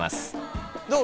どう？